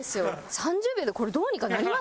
３０秒でこれどうにかなります？